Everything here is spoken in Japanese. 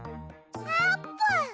あーぷん！